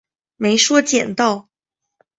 说没捡到